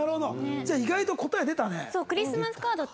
じゃあ意外と答え出たね。